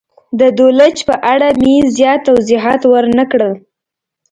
د دولچ په اړه مې زیات توضیحات ور نه کړل.